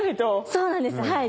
そうなんですはい。